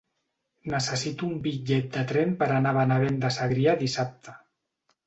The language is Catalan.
Necessito un bitllet de tren per anar a Benavent de Segrià dissabte.